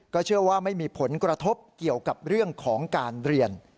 เชื่อว่าไม่มีผลกระทบเกี่ยวกับเรื่องของการเรียน